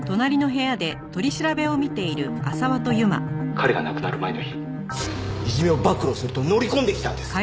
彼が亡くなる前の日いじめを暴露すると乗り込んできたんです。